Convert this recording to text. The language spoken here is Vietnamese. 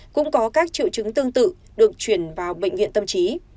cũng có các triệu chứng tương tự được chuyển vào bệnh viện tâm trí